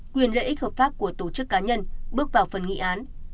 của tổ chức cá nhân bước vào phần nghị án